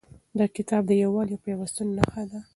دا کتاب د یووالي او پیوستون نښه ده.